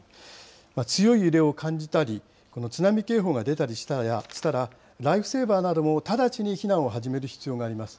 強い揺れを感じたり、この津波警報が出たりしたら、ライフセーバーなども直ちに避難を始める必要があります。